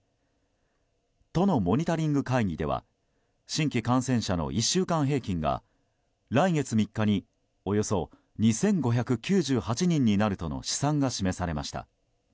都のモニタリング会議では新規感染者の１週間平均が来月３日におよそ２５９８人になるとの試算が示されました。